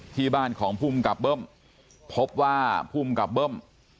ที่บ้านของภูมิกับเบิ้มพบว่าภูมิกับเบิ้ม